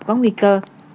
có nguy cơ